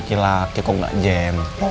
gila kaya kok gak jam